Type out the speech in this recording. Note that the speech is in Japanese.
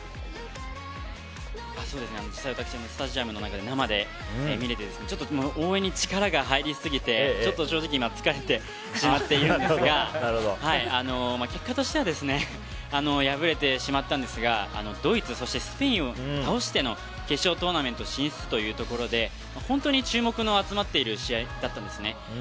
実際、私もスタジアムの中で生で見れてちょっと応援に力が入りすぎてちょっと正直今疲れてしまっているんですが結果としては敗れてしまったんですがドイツそしてスペインを倒しての決勝トーナメント進出というところで本当に注目の集まっている試合だったんですね。